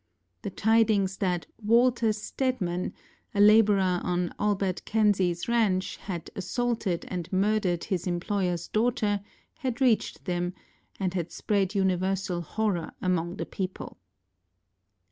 The tidings that Walter Stedman, a laborer on Albert KelseyŌĆÖs ranch, had assaulted and murdered his employerŌĆÖs daughter, had reached them, and had spread universal horror among the people.